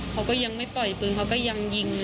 เขาก็ยังไม่ปล่อยปืนเขาก็ยังยิง